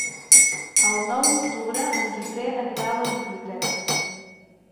El nou d'octubre en Guifré anirà a la biblioteca.